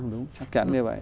đúng chắc chắn như vậy